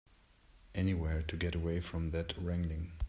Anywhere to get away from that wrangling.